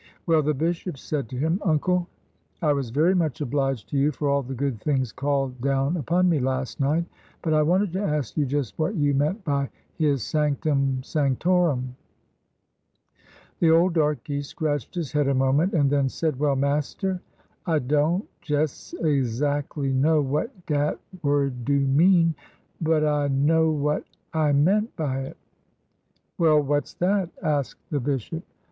Well, the bishop said to him :' Uncle, I was v%ry much obliged to you for all the good things called down upon me last night, but I wanted to ask you just what you meant by His '' sanctum sanctorum.'' ''' The old darky scratched his head a moment, and then said :' Well, master, I don' jes' ezac'ly know what dat word do mean, but I know what I meant by it.' "' Well, what 's that,' asked the bishop.